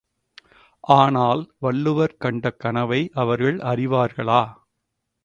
ஆனால் வள்ளுவர் கண்ட கனவை அவர்கள் அறிவார்களா?